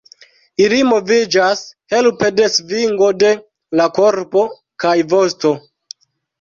Ili moviĝas helpe de svingo de la korpo kaj vosto.